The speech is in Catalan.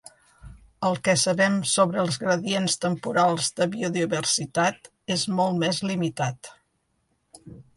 El que sabem sobre els gradients temporals de biodiversitat és molt més limitat.